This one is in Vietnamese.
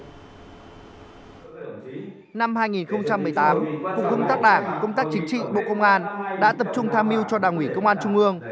năm hai nghìn một mươi tám cục công tác đảng công tác chính trị bộ công an đã tập trung tham mưu cho đảng ủy công an trung ương